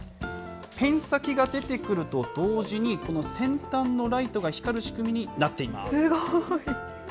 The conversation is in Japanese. ペン先が出てくると同時に、この先端のライトが光る仕組みになっすごい。